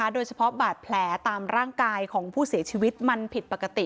โดยเฉพาะบาดแผลตามร่างกายของผู้เสียชีวิตมันผิดปกติ